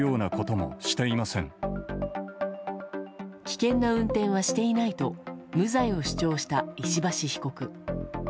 危険な運転はしていないと無罪を主張した石橋被告。